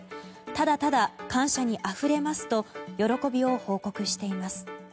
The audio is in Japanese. ただただ感謝にあふれますと喜びを報告しています。